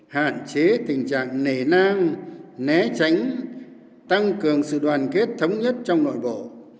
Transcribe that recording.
hạn chế tình trạng nể nang né tránh tăng cường sự đoàn kết thống nhất trong nội bộ